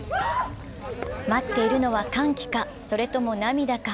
待っているのは歓喜か、それとも涙か。